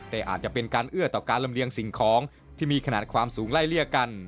แต่อาจจะเป็นการเอื้อต่อการลำเลียงสิ่งของที่มีขนาดความสูงไล่เลี่ยกัน